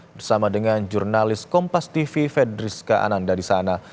bersama dengan jurnalis kompas tv fedriska ananda di sana